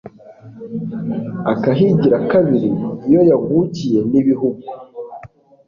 Akahigira kabiri. Iyo yagukiye n'ibihugu,